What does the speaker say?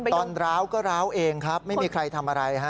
ร้าวก็ร้าวเองครับไม่มีใครทำอะไรฮะ